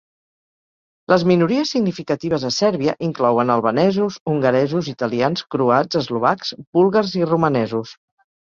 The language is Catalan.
Les minories significatives a Sèrbia inclouen albanesos, hongaresos, italians, croats, eslovacs, búlgars i romanesos.